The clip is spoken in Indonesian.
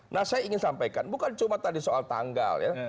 nah saya ingin sampaikan bukan cuma tadi soal tanggal ya